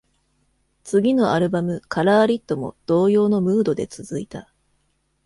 次のアルバム「カラー・リット」も、同様のムードで続いた。